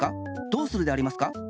どうするでありますか？